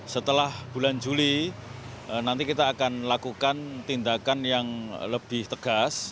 setelah bulan juli nanti kita akan lakukan tindakan yang lebih tegas